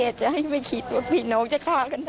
เสียใจไม่คิดว่าผีน้องจะฆ่ากันด้วย